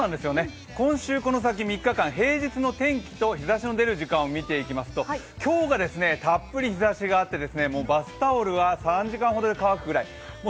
今週この先３日間、日ざしの出る時間を見ていきますと今日がたっぷり日ざしがあってもうバスタオルは３時間ほどで乾くぐらい